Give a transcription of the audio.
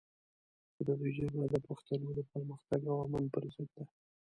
خو د دوی جګړه د پښتنو د پرمختګ او امن پر ضد ده.